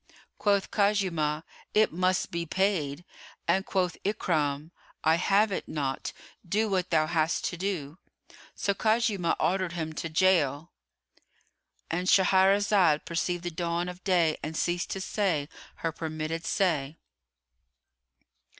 Quoth Khuzaymah, "It must be paid;" and quoth Ikrimah, "I have it not; do what thou hast to do." So Khuzaymah ordered him to gaol.——And Shahrazad perceived the dawn of day and ceased to say her permitted say.